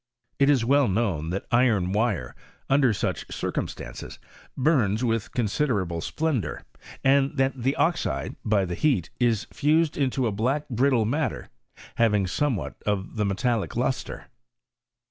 It is well known that iron wire, under such circumstances, Imms with considerable splendour, and that the oxide, by the heat, is fused into a black brittle mat ter, having somewhat of the metallic lustre.